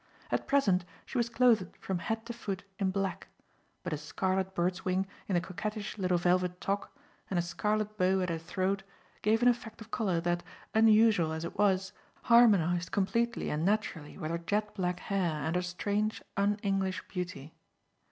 At present, she was clothed from head to foot in black; but a scarlet bird's wing in the coquettish little velvet toque, and a scarlet bow at her throat, gave an effect of colour that, unusual as it was, harmonized completely and naturally with her jet black hair and her strange, un English beauty.